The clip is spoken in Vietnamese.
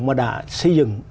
mà đã xây dựng